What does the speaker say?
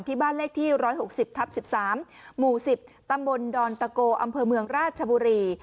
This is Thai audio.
ที่บ้านเลขที่๑๖๐ทับ๑๓หมู่๑๐ตำบลดอนตะโกอำเภอเมืองราชบุรี